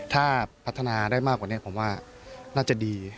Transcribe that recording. ถ้าพัฒนาได้มากกว่านี้ผมว่าน่าจะดี